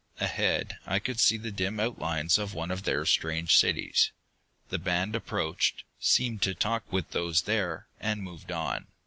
Ahead I could see the dim outlines of one of their strange cities. The band approached, seemed to talk with those there, and moved on.